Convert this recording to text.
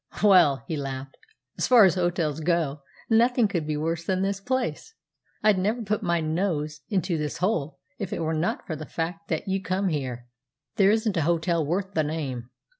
"Well," he laughed, "as far as hotels go, nothing could be worse than this place. I'd never put my nose into this hole if it were not for the fact that you come here. There isn't a hotel worth the name.